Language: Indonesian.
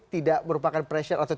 tidak merupakan pressure atau